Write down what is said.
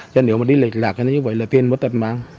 chứ nếu mà đi lệch lạc như vậy là tiền mất tận mang